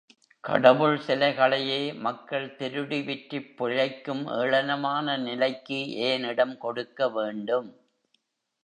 கடவுள் சிலைகளையே மக்கள் திருடி விற்றுப் பிழைக்கும் ஏளனமான நிலைக்கு ஏன் இடம் கொடுக்க வேண்டும்?